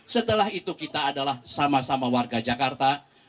setelah itu kita adalah sama sama warga jakarta